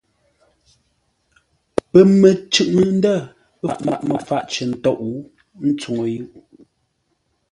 Pəməncʉŋ-ndə̂ faʼ məfaʼ cər ntôʼ, ə́ ntsuŋu yʉʼ.